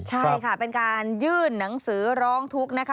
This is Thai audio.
ใช่ค่ะเป็นการยื่นหนังสือร้องทุกข์นะคะ